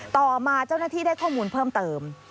ต่อมาเจ้าหน้าที่ได้ข้อมูลเพิ่มเติม